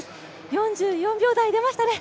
４４秒台、出ましたね。